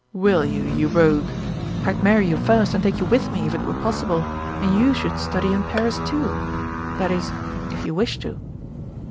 "Will you, you rogue! I'd marry you first and take you with me if it were possible, and you should study in Paris, too that is, if you wished to."